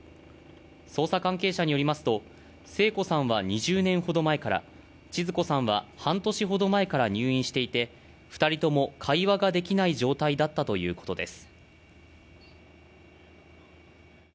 捜査関係者によりますと聖子さんは２０年ほど前からちづ子さんは半年ほど前から入院していて二人とも会話ができない状態だったということです